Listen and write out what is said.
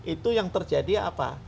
itu yang terjadi apa